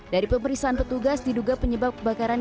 dari pemeriksaan petugas diduga penyebab kebakaran